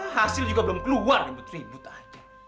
hasil juga belum keluar ribut ribut aja